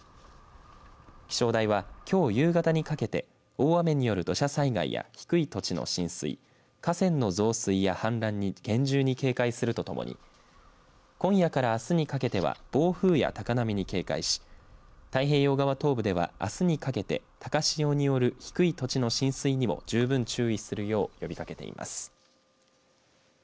気象台はきょう夕方にかけて大雨による土砂災害や低い土地の浸水河川の増水や氾濫に厳重に警戒するとともに今夜からあすにかけては暴風や高波に警戒し太平洋側東部では、あすにかけて高潮による低い土地の浸水にも十分注意するよう呼びかけています。